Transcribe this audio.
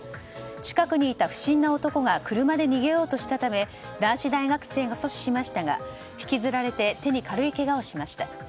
近くにいた不審な男が車で逃げようとしたため男子大学生が阻止しましたが引きずられて手に軽いけがをしました。